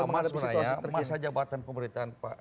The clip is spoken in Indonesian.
masa jabatan pemerintahan